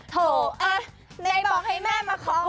โถเอ๊ะนายบอกให้แม่มาของ